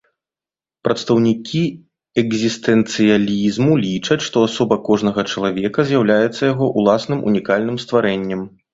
Прадстаўнікі экзістэнцыялізму лічаць, што асоба кожнага чалавека з'яўляецца яго ўласным унікальным стварэннем.